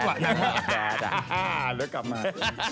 บ๊วยบ๊วยบ้าบ๊ายบาย